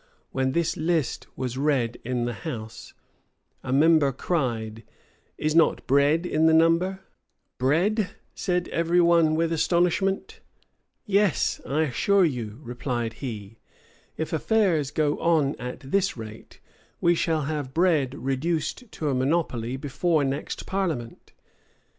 [] When this list was read in the house, a member cried, "Is not bread in the number?" "Bread," said every one with astonishment. "Yes, I assure you," replied he, "if affairs go on at this rate, we shall have bread reduced to a monopoly before next parliament."